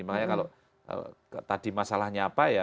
makanya kalau tadi masalahnya apa ya